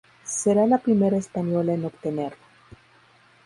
Será la primera española en obtenerlo.